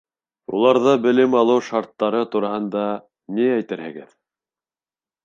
Уларҙа белем алыу шарттары тураһында ни әйтерһегеҙ?